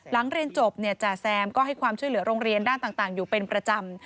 หลังเรียนจบจ่าแซมก็ให้ความช่วยเหลือโรงเรียนด้านต่างอยู่เป็นประจำ